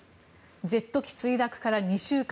ジェット機墜落から２週間。